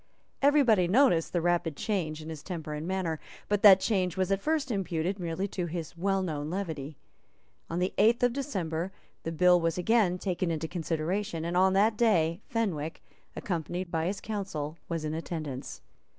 Every body noticed the rapid change in his temper and manner; but that change was at first imputed merely to his well known levity. On the eighth of December the bill was again taken into consideration; and on that day Fenwick, accompanied by his counsel, was in attendance.